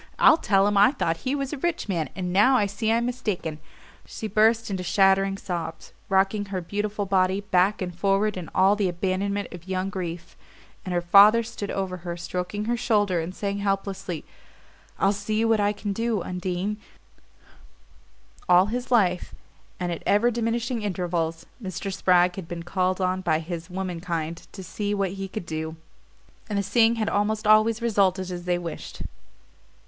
I'll tell him I thought he was a rich man, and now I see I'm mistaken " She burst into shattering sobs, rocking her beautiful body back and forward in all the abandonment of young grief; and her father stood over her, stroking her shoulder and saying helplessly: "I'll see what I can do, Undine " All his life, and at ever diminishing intervals, Mr. Spragg had been called on by his womenkind to "see what he could do"; and the seeing had almost always resulted as they wished.